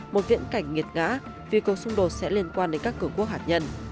một viễn cảnh nghiệt ngã vì cuộc xung đột sẽ liên quan đến các cường quốc hạt nhân